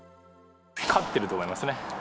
勝ってると思いますね。